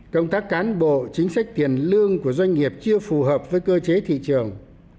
công tác cán bộ chính sách tiền lương của doanh nghiệp chưa phù hợp với cơ chế thị trường